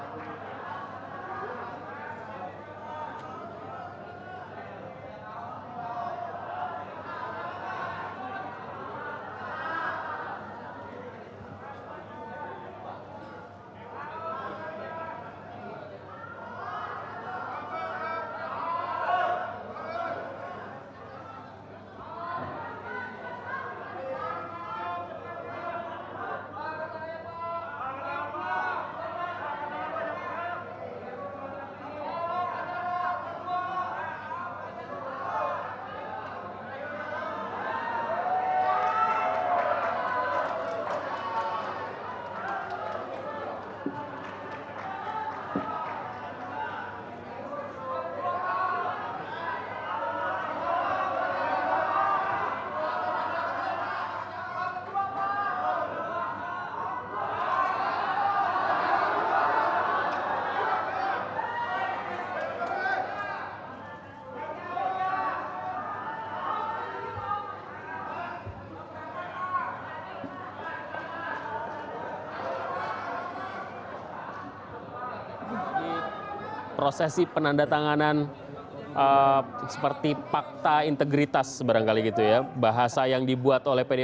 pak basuki tahayapurnama apakah bersedia untuk mendandatangani